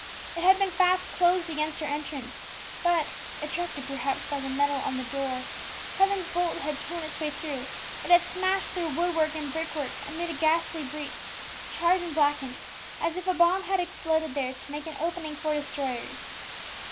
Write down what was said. It had been fast closed against her entrance, but (attracted, perhaps, by the metal on the door) Heaven's bolt had torn its way through; it had smashed through woodwork and brickwork, and made a ghastly breach, charred and blackened, as if a bomb had exploded there to make an opening for destroyers!